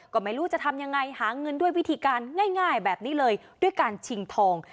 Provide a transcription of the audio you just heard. ก็ไม่รู้จะทำยังไงหาเงินด้วยวิธีการง่ายแบบนี้เลยด้วยการชิงทอง